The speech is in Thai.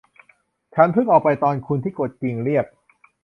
ฉันเพิ่งออกไปตอนคุณที่กดกริ่งเรียก